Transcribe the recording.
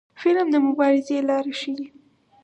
فلم د مبارزې لارې ښيي